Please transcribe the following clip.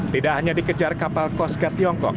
tidak hanya dikejar kapal coast guard tiongkok